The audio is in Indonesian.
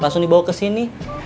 langsung dibawa kesini